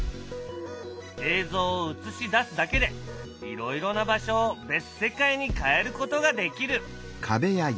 映像を映し出すだけでいろいろな場所を別世界に変えることができる。